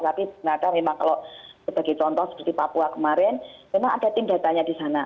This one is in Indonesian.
tapi ternyata memang kalau sebagai contoh seperti papua kemarin memang ada tim datanya di sana